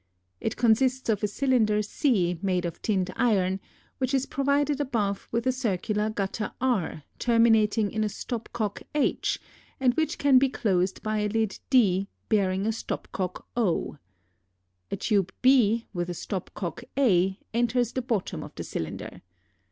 It consists of a cylinder C made of tinned iron, which is provided above with a circular gutter R terminating in a stop cock h and which can be closed by a lid D bearing a stop cock o. A tube b with a stop cock a enters the bottom of the cylinder.